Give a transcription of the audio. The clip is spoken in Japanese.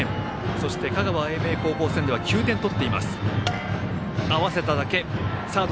そして、香川・英明高校戦では９点取っています。